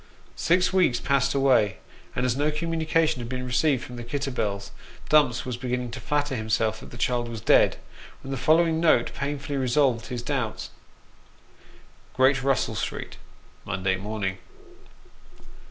Six weeks passed away, and as no communication had been received from the Kitterbells, Dumps was beginning to flatter himself that the child was dead, when the following note painfully resolved his doubts Great Russell Street, Monday Morning.